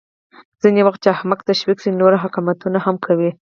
ځینې وخت چې احمق تشویق شي نو نور حماقتونه هم کوي